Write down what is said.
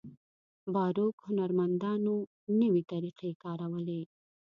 باروک هنرمندانو نوې طریقې کارولې.